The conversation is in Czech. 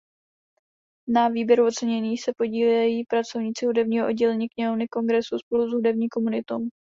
Na výběru oceněných se podílejí pracovníci hudebního oddělení Knihovny Kongresu spolu s hudební komunitou.